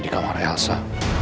di kamar elsa